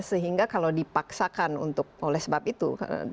sehingga kalau dipaksakan untuk oleh sebab itu